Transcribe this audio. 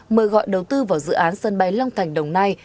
mời gọi đầu tư vào dự án sân bay long thành đồng nai